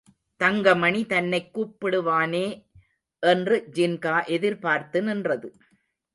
தங்கமணி தன்னைக் கூப்பிடுவானே என்று ஜின்கா எதிர்பார்த்து நின்றது.